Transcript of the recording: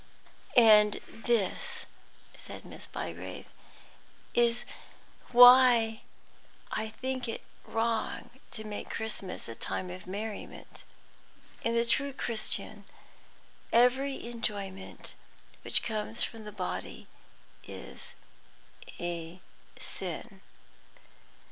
"And this," said Miss Bygrave, "is why I think it wrong to make Christmas a time of merriment. In the true Christian, every enjoyment which comes from the body is a sin.